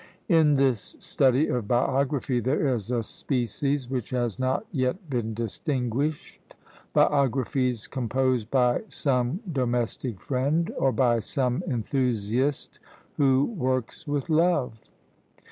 In this study of biography there is a species which has not yet been distinguished biographies composed by some domestic friend, or by some enthusiast who works with love.